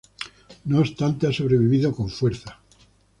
No obstante ha sobrevivido con fuerza.